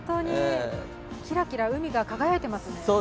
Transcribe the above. キラキラ、海が輝いてますね。